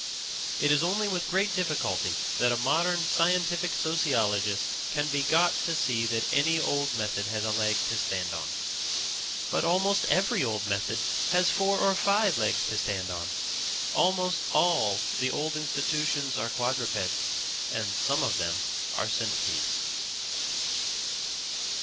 It is only with great difficulty that a modern scientific sociologist can be got to see that any old method has a leg to stand on. But almost every old method has four or five legs to stand on. Almost all the old institutions are quadrupeds; and some of them are centipedes.